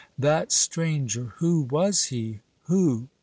That stranger who was he? Who?